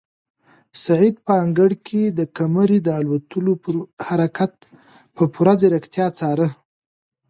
سعید په انګړ کې د قمرۍ د الوتلو هر حرکت په پوره ځیرکتیا څاره.